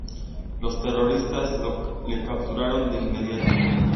Los terroristas le capturaron de inmediato.